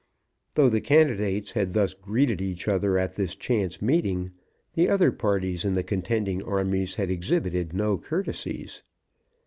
Though the candidates had thus greeted each other at this chance meeting, the other parties in the contending armies had exhibited no courtesies.